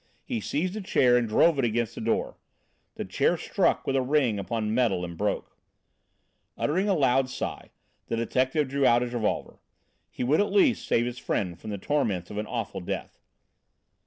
He seized a chair and drove it against the door. The chair struck with a ring upon metal and broke. Uttering a loud sigh, the detective drew out his revolver; he would, at least, save his friend the torments of an awful death.